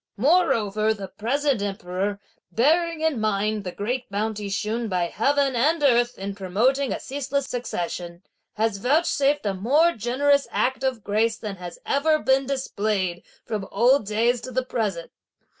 Moreover, the present emperor, bearing in mind the great bounty shewn by heaven and earth in promoting a ceaseless succession, has vouchsafed a more generous act of grace than has ever been displayed from old days to the present.